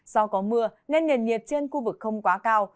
do có mưa nên nền nhiệt trên khu vực không quá cao